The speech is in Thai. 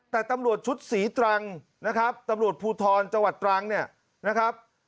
แต่ตำรวจชุดศรีตรังนะครับตำรวจภูทรจังหวัดตรังเนี่ยนะครับ